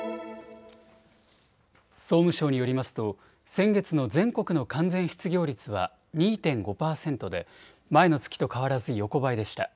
総務省によりますと先月の全国の完全失業率は２．５％で前の月と変わらず横ばいでした。